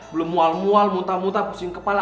belum mual mual muntah muntah pusing kepala